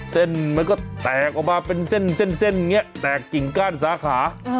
เส้นมันก็แตกออกมาเป็นเส้นอย่างนี้แตกกิ่งก้านสาขา